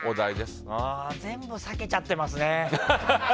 全部避けちゃってますね。